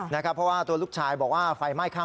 มีความรู้สึกว่าเกิดอะไรขึ้น